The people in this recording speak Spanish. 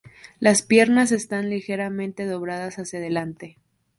Las piernas están ligeramente dobladas hacia delante.